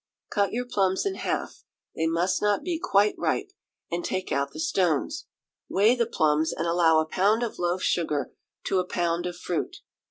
Cut your plums in half (they must not be quite ripe), and take out the stones. Weigh the plums, and allow a pound of loaf sugar to a pound of fruit.